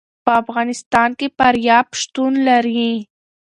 په افغانستان کې فاریاب شتون لري.